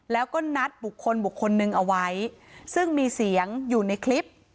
แล้วก็นัดบุคคลบุคคลนึงเอาไว้ซึ่งมีเสียงอยู่ในคลิป